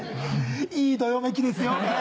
いいどよめきですよねぇ。